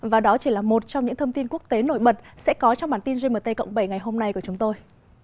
và đó chỉ là một trong những thông tin quốc tế nổi bật sẽ có trong bản tin gmt cộng bảy ngày hôm nay của chúng tôi